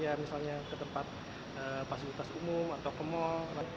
jadi kalau di jongkok mungkin agak berat ya kalau untuk orang tua apalagi yang jaga jaga